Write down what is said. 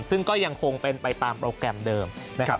ซึ่งก็ยังคงเป็นไปตามโปรแกรมเดิมนะครับ